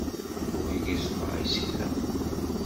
Ur gezzmeɣ isekla.